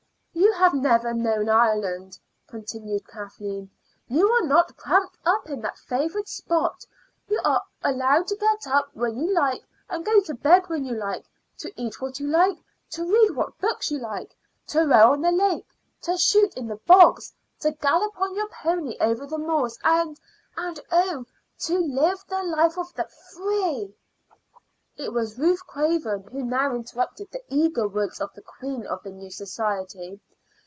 "You have never known Ireland," continued Kathleen. "You are not cramped up in that favored spot; you are allowed to get up when you like and to go to bed when you like, to eat what you like, to read what books you like, to row on the lake, to shoot in the bogs, to gallop on your pony over the moors, and and oh, to live the life of the free." It was Ruth Craven who now interrupted the eager words of the queen of the new society.